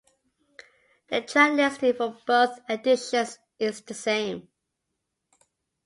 The track listing for both editions is the same.